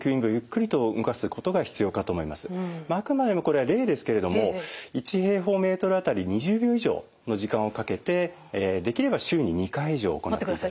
あくまでもこれは例ですけれども１平方メートル当たり２０秒以上の時間をかけてできれば週に２回以上行ってください。